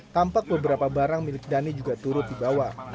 tampak beberapa barang milik dhani juga turut dibawa